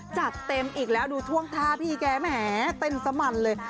จัดเต็มอีกแล้วดูท่วงท่าพี่แกแหมเต้นสมันเลย